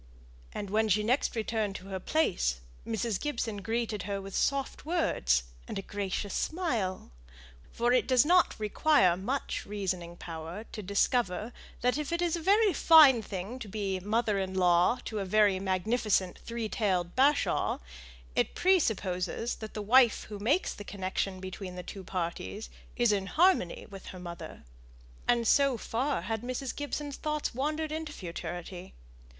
And, when she next returned to her place, Mrs. Gibson greeted her with soft words and a gracious smile; for it does not require much reasoning power to discover, that if it is a very fine thing to be mother in law to a very magnificent three tailed bashaw, it presupposes that the wife who makes the connection between the two parties is in harmony with her mother. And so far had Mrs. Gibson's thoughts wandered into futurity.